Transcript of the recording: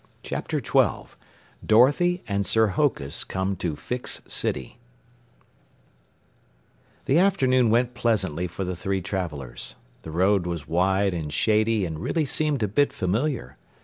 CHAPTER 12 DOROTHY AND SIR HOKUS COME TO FIX CITY The afternoon went pleasantly for the three travelers. The road was wide and shady and really seemed a bit familiar.